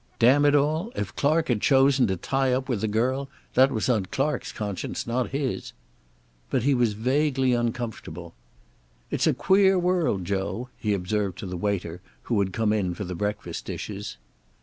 Damn it all, if Clark had chosen to tie up with a girl, that was on Clark's conscience, not his. But he was vaguely uncomfortable. "It's a queer world, Joe," he observed to the waiter, who had come in for the breakfast dishes.